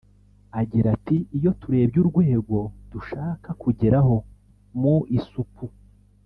Agira ati “Iyo turebye urwego dushaka kugeraho (mu isuku)